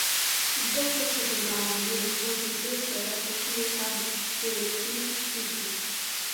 ځکه چې د معمولي خوزېدو سره پکښې هم څړيکې کيږي